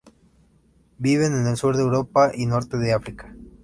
Vive en el sur de Europa y norte de África.